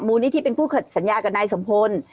นิธิเป็นผู้สัญญากับนายสมพล